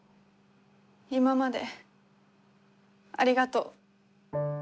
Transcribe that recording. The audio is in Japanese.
今までありがとう。